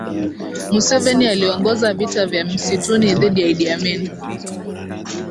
museveni aliongoza vita vya msituni dhidi ya idd amin